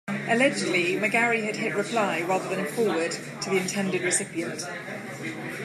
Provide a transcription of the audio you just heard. Allegedly, McGarry had hit reply rather than forward to the intended recipient.